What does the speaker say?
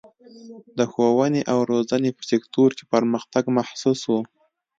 د ښوونې او روزنې په سکتور کې پرمختګ محسوس و.